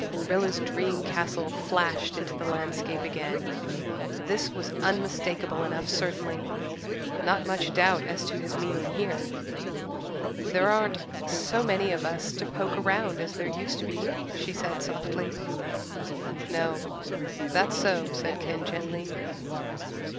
Rilla's dream castle flashed into the landscape again. This was unmistakable enough certainly not much doubt as to his meaning here. "There aren't so many of us to poke around as there used to be," she said softly. "No, that's so," said Ken gently.